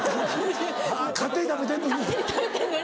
勝手に食べてんのに？